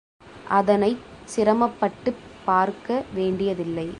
அதனைச் சிரமப்பட்டுப் பார்க்க வேண்டியதில்லை.